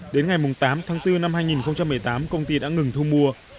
đến ngày tám tháng bốn năm hai nghìn một mươi tám công ty đã ngừng thu mua